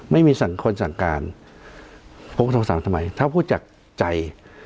ไม่มีสั่งคนสั่งการผมก็โทรสั่งทำไมถ้าพูดจากใจ